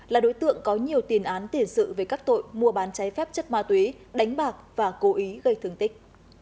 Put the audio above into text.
là đối tượng có nhiều tiền án tiền sự về các tội mua bán cháy phép chất ma túy đánh bạc và cố ý gây thương tích